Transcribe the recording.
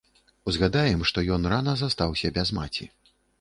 Узгадаем, што ён рана застаўся без маці.